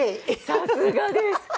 さすがです！